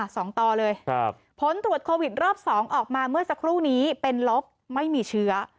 สองต่อเลยครับผลตรวจโควิดรอบสองออกมาเมื่อสักครู่นี้เป็นลบไม่มีเชื้อ